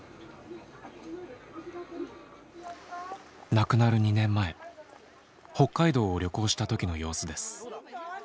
亡くなる２年前北海道を旅行した時の様子です。